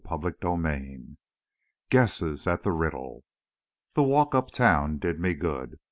CHAPTER IX GUESSES AT THE RIDDLE The walk uptown did me good.